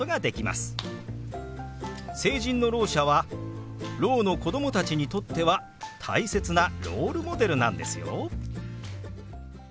成人のろう者はろうの子供たちにとっては大切なロールモデルなんですよ。